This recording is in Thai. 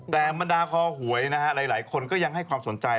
แต่บรรดาคอหวยนะฮะหลายคนก็ยังให้ความสนใจ